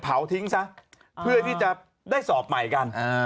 เผาทิ้งซะเพื่อที่จะได้สอบใหม่กัน